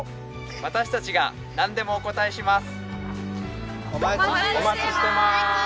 私たちが何でもお答えします。